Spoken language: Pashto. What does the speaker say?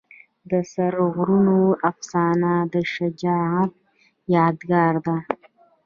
د سرو غرونو افسانه د شجاعت یادګار ده.